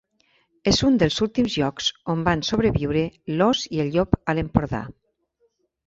És un dels últims llocs on van sobreviure l'ós i el llop a l'Empordà.